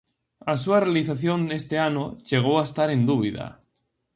A súa realización este ano chegou a estar en dúbida.